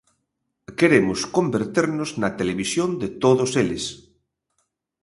Queremos converternos na televisión de todos eles.